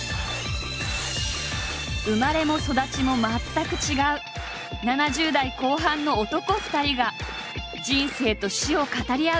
生まれも育ちも全く違う７０代後半の男２人が人生と死を語り合う。